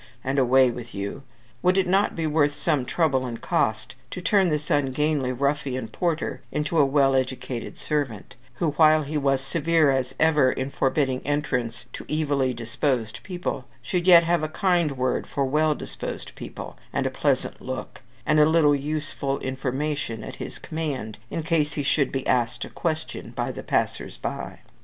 and "Away with you!" Would it not be worth some trouble and cost to turn this ungainly ruffian porter into a well educated servant; who, while he was severe as ever in forbidding entrance to evilly disposed people, should yet have a kind word for well disposed people, and a pleasant look, and a little useful information at his command, in case he should be asked a question by the passers by?